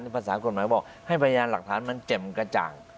ภาษากฎหมายบอกให้พยานหลักฐานมันแจ่มกระจ่าง